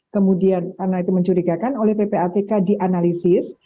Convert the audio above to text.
kemudian karena itu mencurigakan oleh ppatk dianalisis